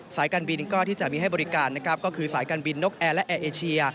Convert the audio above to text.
การบินก็ที่จะมีให้บริการนะครับก็คือสายการบินนกแอร์และแอร์เอเชีย